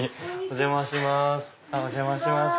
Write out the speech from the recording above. お邪魔します